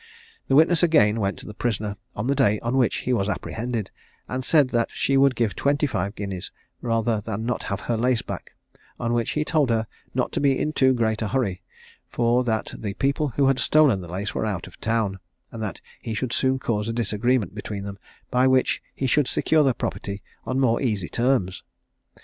The witness again went to the prisoner on the day on which he was apprehended, and said that she would give twenty five guineas rather than not have her lace back; on which he told her not to be in too great a hurry, for that the people who had stolen the lace were out of town, and that he should soon cause a disagreement between them, by which he should secure the property on more easy terms.